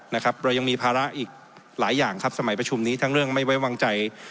เรายังมีภาระอีกหลายอย่างครับสมัยประชุมนี้ทั้งเรื่องไม่ไว้วางใจ